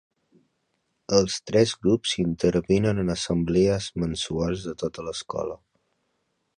Els tres grups intervenen en assemblees mensuals de tota l'escola.